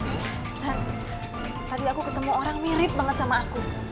ya tadi aku ketemu orang yang mirip sekali sama aku